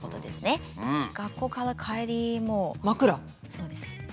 そうです。